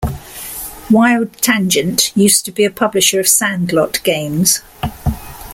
WildTangent used to be a publisher of Sandlot Games.